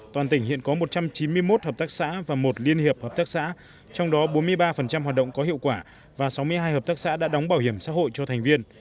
toàn tỉnh hiện có một trăm chín mươi một hợp tác xã và một liên hiệp hợp tác xã trong đó bốn mươi ba hoạt động có hiệu quả và sáu mươi hai hợp tác xã đã đóng bảo hiểm xã hội cho thành viên